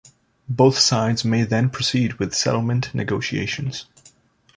Both sides may then proceed with settlement negotiations.